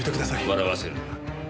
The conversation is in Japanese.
笑わせるな。